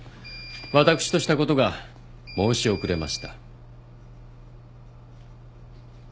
私としたことが申し遅れました。